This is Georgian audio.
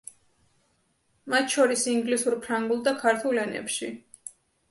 მათ შორის ინგლისურ, ფრანგულ და ქართულ ენებში.